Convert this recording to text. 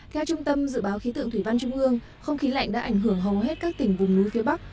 theo trung tâm dự báo khí tượng thủy văn trung ương không khí lạnh đã ảnh hưởng hầu hết các tỉnh vùng núi phía bắc